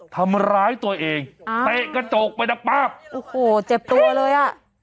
ทำร้ายตัวเองอ่าเตะกระจกไปดังป๊าบโอ้โหเจ็บตัวเลยอ่ะ